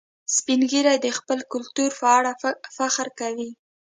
سپین ږیری د خپل کلتور په اړه فخر کوي